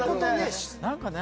何かね